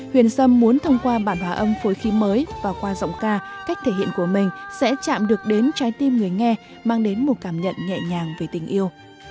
huyền sâm muốn thông qua bản hóa âm phối khí mới và qua giọng ca cách thể hiện của mình sẽ chạm được đến trái tim người nghe mang đến một cảm nhận nhẹ nhàng về tình yêu